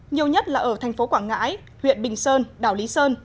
nhiều nhất là ở thành phố quảng ngãi huyện bình sơn đảo lý sơn